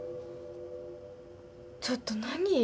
ちょっと何？